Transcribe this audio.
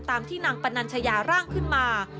ตามที่นางปนัญชยาร่างขึ้นมา